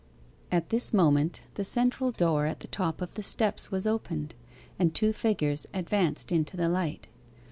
At this moment the central door at the top of the steps was opened, and two figures advanced into the light.